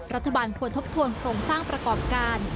รัฐบาลควรทบทวนโครงสร้างประกอบการ